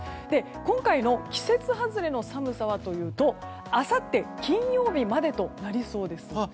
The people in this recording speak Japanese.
今回の季節外れの寒さはというとあさって金曜日までとなりそうです。